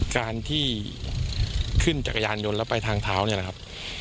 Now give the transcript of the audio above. การที่ขึ้นจักรยานยนต์แล้วไปทางเท้าเนี่ยนะครับ